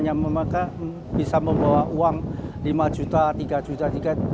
padananya bisa membawa uang lima juta tiga juta tiga juta